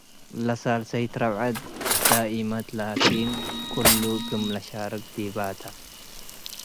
ለሳልሰይት ረብዐት ዳኢመት ላኪን ክሉ ጂል ለሻርክ ዲበ ተ ።